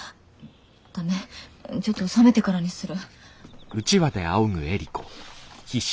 ダメちょっと冷めてからにする。